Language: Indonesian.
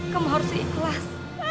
kamu harus ikhlas